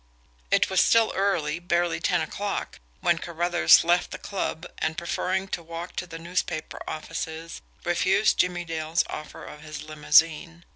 It was still early, barely ten o'clock, when Carruthers left the club, and, preferring to walk to the newspaper offices, refused Jimmie Dale's offer of his limousine.